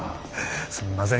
すんません